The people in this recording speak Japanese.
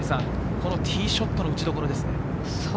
ティーショットの打ちどころですね。